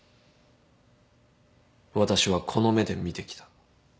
私はこの目で見てきた。